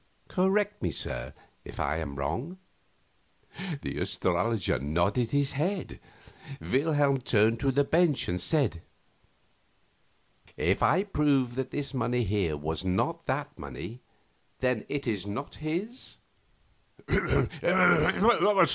Correct me, sir, if I am wrong." The astrologer nodded his head. Wilhelm turned to the bench and said: "If I prove that this money here was not that money, then it is not his?"